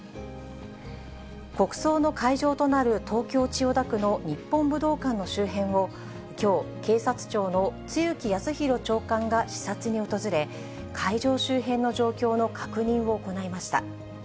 国葬の会場となる東京・千代田区の日本武道館の周辺を、きょう、警察庁の露木康浩長官が視察に訪れ、会場周辺の状況の確認を行いました。